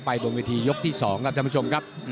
บนเวทียกที่๒ครับท่านผู้ชมครับ